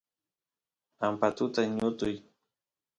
ampatut ñutuy